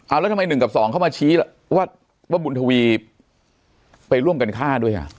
เอาแล้วทำไม๑กับ๒เข้ามาชี้ว่าบุญทวีไปร่วมกันฆ่าด้วยอ่ะ